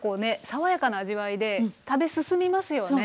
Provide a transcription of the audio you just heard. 爽やかな味わいで食べ進みますよね。